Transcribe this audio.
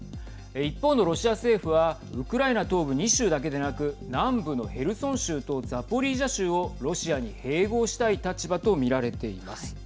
一方のロシア政府はウクライナ東部２州だけでなく南部のヘルソン州とザポリージャ州をロシアに併合したい立場と見られています。